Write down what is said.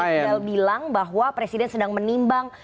pak isbel bilang bahwa presiden sedang menimbang